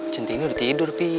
centingnya udah tidur pi